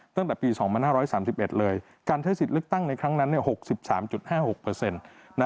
ตั้งแต่ปี๒๕๓๑เลยการใช้สิทธิ์เลือกตั้งในครั้งนั้น๖๓๕๖